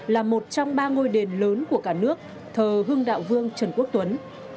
là một trong ba ngôi đền lớn của cả nước thờ hưng đạo vương trần quốc tuấn